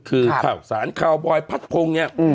คือข่าวสารข่าวบอยพัดพงศ์เนี่ย